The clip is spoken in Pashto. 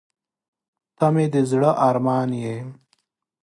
• ته مې د زړه ارمان یې.